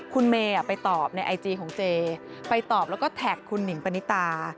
คุณเมย์ไปตอบในไอจีของเจไปตอบแล้วก็แท็กคุณหนิงปณิตา